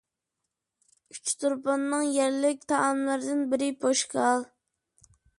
ئۇچتۇرپاننىڭ يەرلىك تائاملىرىدىن بىرى پوشكال.